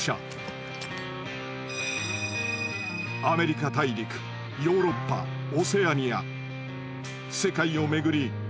アメリカ大陸ヨーロッパオセアニア世界を巡り